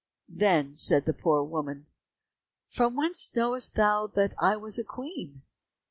Then said the poor woman, "From whence knowest thou that I was a queen?"